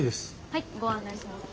はいご案内します。